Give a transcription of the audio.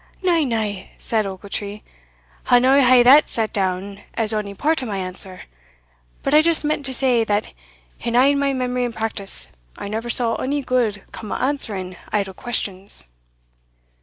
"Na, na," said Ochiltree, "I'll no hae that set down as ony part o' my answer but I just meant to say, that in a' my memory and practice, I never saw ony gude come o' answering idle questions."